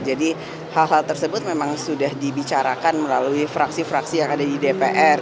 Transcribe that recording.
jadi hal hal tersebut memang sudah dibicarakan melalui fraksi fraksi yang ada di dpr